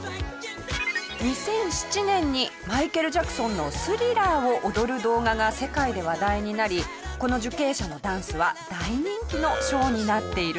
２００７年にマイケル・ジャクソンの『Ｔｈｒｉｌｌｅｒ』を踊る動画が世界で話題になりこの受刑者のダンスは大人気のショーになっているそうです。